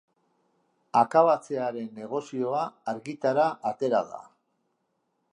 Akabatzearen negozioa argitara atera da.